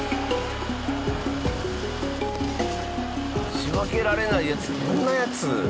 仕分けられないやつどんなやつ？